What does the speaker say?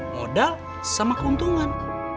nodal sama keuntungan